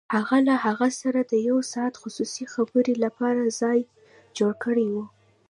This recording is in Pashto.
هغه له هغه سره د يو ساعته خصوصي خبرو لپاره ځای جوړ کړی و.